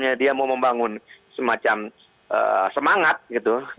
untuk tujuan ke dalamnya dia mau membangun semacam semangat gitu